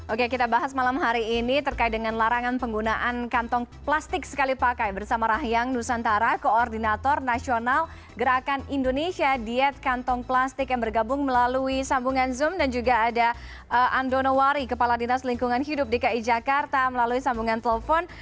oke kita bahas malam hari ini terkait dengan larangan penggunaan kantong plastik sekali pakai bersama rahyang nusantara koordinator nasional gerakan indonesia diet kantong plastik yang bergabung melalui sambungan zoom dan juga ada andono wari kepala dinas lingkungan hidup dki jakarta melalui sambungan telepon